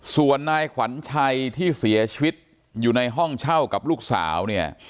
ส่วนนายขวัญชัยที่เสียชีวิตอยู่ในห้องเช่ากับลูกสาวเนี่ย